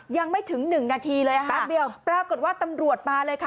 ยังไม่ถึง๑นาทีเลยปรากฏว่าตำรวจมาเลย